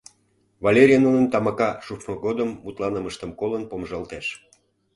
Валерий нунын тамака шупшмо годым мутланымыштым колын помыжалтеш.